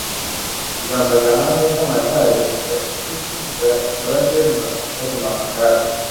ijambo agahanda k’ amagare bivuga igice cy inzira nyabagendwa cyagenewe amagare